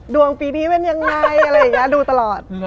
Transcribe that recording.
ดวงปีนี้เป็นยังไงอะไรอย่างนี้ดูตลอด